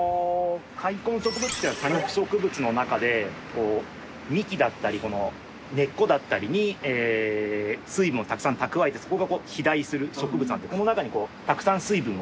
塊根植物っていうのは多肉植物の中で幹だったりこの根っこだったりに水分をたくさん蓄えてそこがこう肥大する植物なんでこの中にたくさん水分を含む。